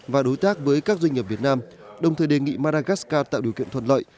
và đối tác với các doanh nghiệp việt nam đồng thời đề nghị maragascar tạo điều kiện thuận lợi